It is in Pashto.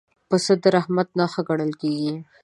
پسه د رحمت نښه ګڼل کېږي.